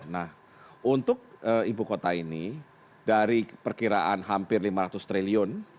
nah untuk ibu kota ini dari perkiraan hampir lima ratus triliun